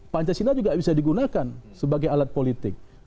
pancasila juga bisa digunakan sebagai alat politik